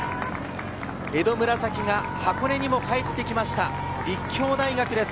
江戸紫が箱根に帰ってきました、立教大学です。